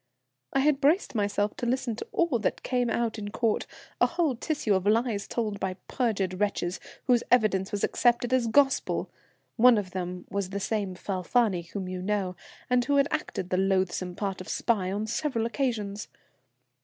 "I had braced myself to listen to all that came out in court, a whole tissue of lies told by perjured wretches whose evidence was accepted as gospel one of them was the same Falfani whom you know, and who had acted the loathsome part of spy on several occasions.